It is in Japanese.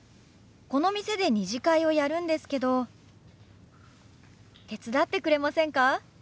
この店で２次会をやるんですけど手伝ってくれませんか？